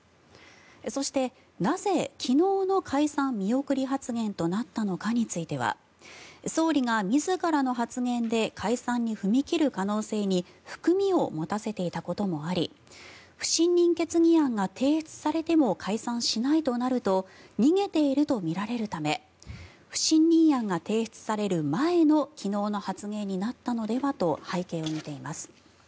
そして、なぜ昨日の解散見送り発言となったのかについては総理が自らの発言で解散に踏み切る可能性に含みを持たせていたこともあり不信任決議案が提出されても解散しないとなると逃げているとみられるため不信任案が提出される前の昨日の発言になったのではないかと背景を見ています。